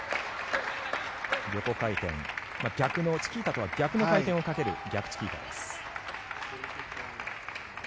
横回転チキータとは逆の回転をかける逆チキータです。